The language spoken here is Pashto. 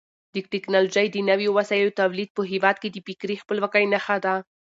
د ټکنالوژۍ د نویو وسایلو تولید په هېواد کې د فکري خپلواکۍ نښه ده.